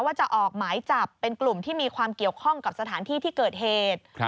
ว่าจะออกหมายจับเป็นกลุ่มที่มีความเกี่ยวข้องกับสถานที่ที่เกิดเหตุ